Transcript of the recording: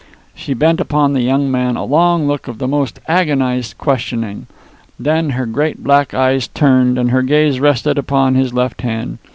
She bent upon the young man a long look of the most agonized questioning. Then her great black eyes turned, and her gaze rested upon his left hand.